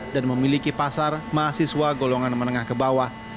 dan memiliki pasar mahasiswa golongan menengah ke bawah